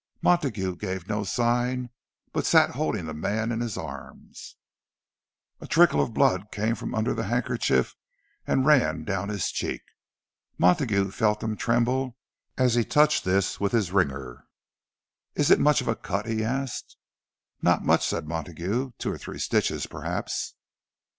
Montague gave no sign, but sat holding the man in his arms. A little trickle of blood came from under the handkerchief and ran down his cheek; Montague felt him tremble as he touched this with his ringer. "Is it much of a cut?" he asked. "Not much," said Montague; "two or three stitches, perhaps."